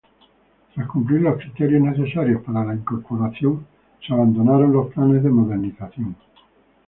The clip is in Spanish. Tras cumplir los criterios necesarios para la incorporación se abandonaron los planes de modernización.